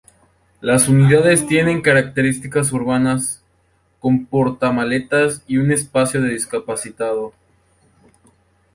Las Unidades tienen características urbano con porta maletas y un espacio de Discapacitado.